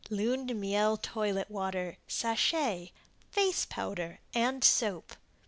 Lune de Miel Toilette Water, Sachet. Face Powder and Soap.